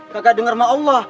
kagak denger ma'allah